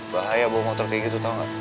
bahaya bawa motor kayak gitu tau gak